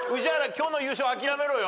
今日の優勝諦めろよ。